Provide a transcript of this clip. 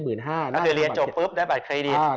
ก็คือเรียนจบปุ๊บได้บัตรเครดิต